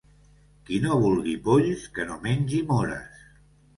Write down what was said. Qui no vulgui polls que no mengi mores.